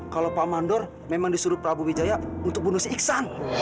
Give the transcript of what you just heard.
kalau pak mandor memang disuruh prabu wijaya untuk bunuh si ihsan